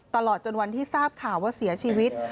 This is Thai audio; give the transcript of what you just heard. ตลอดจนวันที่ทราบข่าวว่าเสียชีวิต